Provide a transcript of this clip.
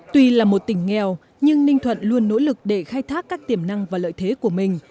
tuy là một tỉnh nghèo nhưng ninh thuận luôn nỗ lực để khai thác các tiềm năng và lợi thế của mình